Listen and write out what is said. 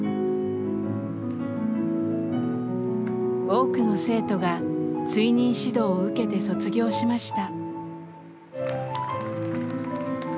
多くの生徒が追認指導を受けて卒業しました。